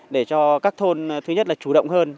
để cho các thôn thứ nhất là chủ động hơn